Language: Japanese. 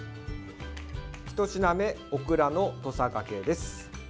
ひと品目、オクラの土佐がけです。